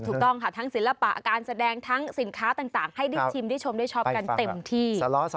ถูกต้องค่ะทั้งศิลปะการแสดงทั้งสินค้าต่างให้ได้ชิมได้ชมได้ชอบกันเต็มที่